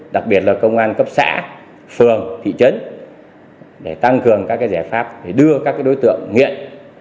đặc biệt là công an cấp xã phường thị trấn để tăng cường các giải pháp để đưa các đối tượng nghiện